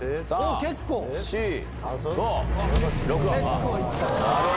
結構いったな。